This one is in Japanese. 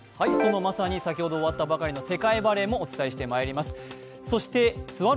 そのまさに先ほど終わったばかりの世界バレーもお伝えしてまいります。